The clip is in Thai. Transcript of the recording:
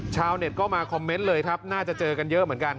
ชาวเน็ตก็มาคอมเมนต์เลยครับน่าจะเจอกันเยอะเหมือนกัน